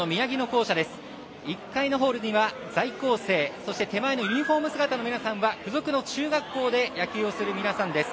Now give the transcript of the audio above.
１階のホールには在校生そして手前のユニフォーム姿の皆さんは付属の中学校で野球をする皆さんです。